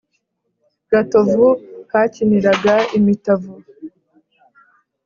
Gatovu hakiniraga imitavu